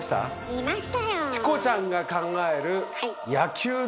見ましたよ！